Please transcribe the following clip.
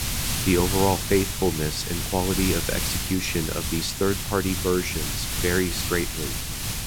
The overall faithfulness and quality of execution of these third party versions varies greatly.